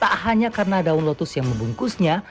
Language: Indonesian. tak hanya karena daun lotus yang membungkusnya